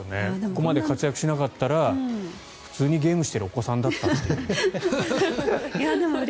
ここまで活躍しなかったら普通にゲームしてるお子さんだったという。